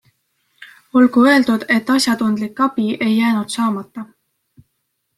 Olgu öeldud, et asjatundlik abi ei jäänud saamata.